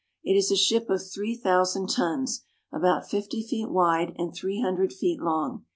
It is a ship of three thousand tons, about fifty feet wide and three hundred feet long.